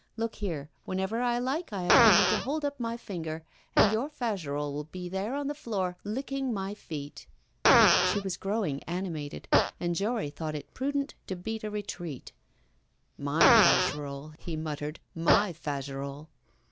Look here, whenever I like, I have only to hold up my finger, and your Fagerolles will be there on the floor, licking my feet.' She was growing animated, and Jory thought it prudent to beat a retreat. 'My Fagerolles,' he muttered; 'my Fagerolles.